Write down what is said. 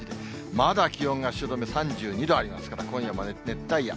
まだ気温が汐留３２度ありますから、今夜も熱帯夜。